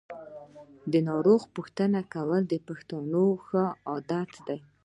ناروغ پوښتنه کول د پښتنو ښه عادت دی.